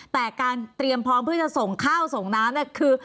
แต่การเตรียมพร้อมเพื่อจะส่งข้าวส่งน้ำเนี่ยคือ